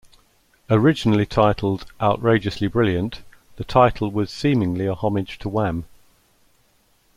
Originally titled "Outrageously Brilliant", the title was seemingly a homage to Wham!